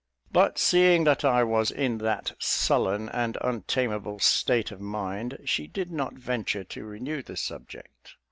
But seeing that I was in that sullen and untameable state of mind, she did not venture to renew the subject.